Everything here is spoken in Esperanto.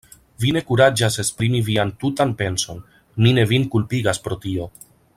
Vi ne kuraĝas esprimi vian tutan penson; mi ne vin kulpigas pro tio.